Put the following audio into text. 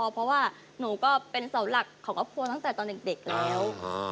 เพราะว่าหนูก็เป็นเสาหลักของครอบครัวตั้งแต่ตอนเด็กแล้ว